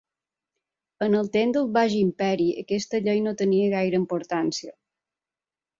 En els temps del baix imperi, aquest llei no tenia gaire importància.